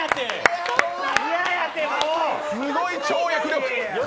すごい跳躍力。